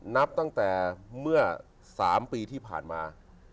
นับตั้งแต่เมื่อ๓ปีที่ผ่านมา